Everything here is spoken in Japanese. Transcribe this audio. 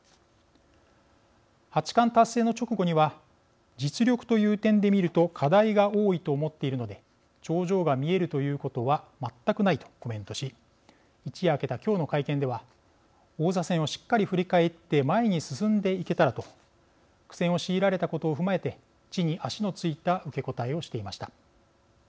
八冠達成の直後には「実力という点で見ると課題が多いと思っているので頂上が見えるということはまったくない」とコメントし一夜明けた今日の会見では「王座戦をしっかり振り返って前に進んでいけたら」と苦戦を強いられたことを踏まえて地に足のついた受け答えをしていました。